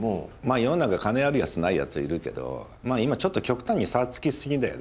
世の中金あるやつとないやついるけど今ちょっと極端に差つきすぎだよね